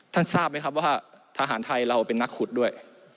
ทราบไหมครับว่าทหารไทยเราเป็นนักขุดด้วย